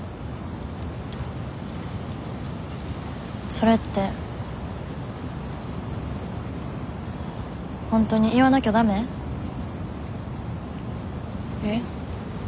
それって本当に言わなきゃダメ？え？